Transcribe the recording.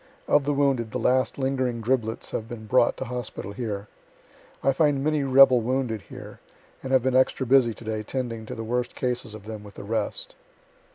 Of the wounded the last lingering driblets have been brought to hospital here. I find many rebel wounded here, and have been extra busy to day 'tending to the worst cases of them with the rest.